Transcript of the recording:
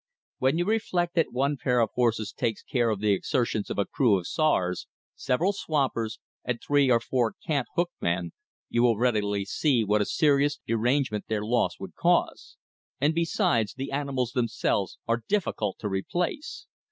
When you reflect that one pair of horses takes care of the exertions of a crew of sawyers, several swampers, and three or four cant hook men, you will readily see what a serious derangement their loss would cause. And besides, the animals themselves are difficult to replace.